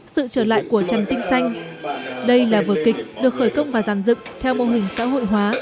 sự trở lại của trần tinh xanh đây là vở kịch được khởi công và giàn dựng theo mô hình xã hội hóa